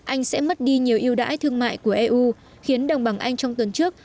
anh sẽ mất đi nhiều yêu đãi thương mại của eu khiến đồng bằng anh trong tuần trước